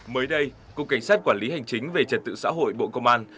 mới đây cục cảnh sát quản lý hành chính về trật tự xã hội bộ công an